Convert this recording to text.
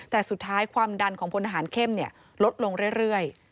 แต่สุดท้ายความดันของพลทหารเข้มลดลงเรื่อย